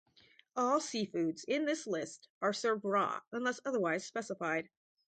All seafoods in this list are served raw unless otherwise specified.